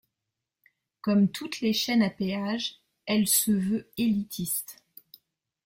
Comme toutes les chaînes à péage, elle se veut élitiste.